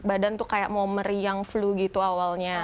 badan tuh kayak mau meriang flu gitu awalnya